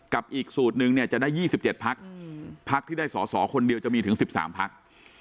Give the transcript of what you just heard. อีกสูตรนึงเนี่ยจะได้๒๗พักพักที่ได้สอสอคนเดียวจะมีถึง๑๓พัก